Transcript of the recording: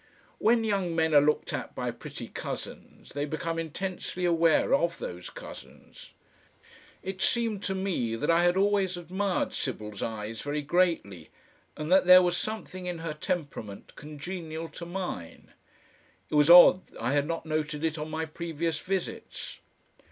When young men are looked at by pretty cousins, they become intensely aware of those cousins. It seemed to me that I had always admired Sybil's eyes very greatly, and that there was something in her temperament congenial to mine. It was odd I had not noted it on my previous visits.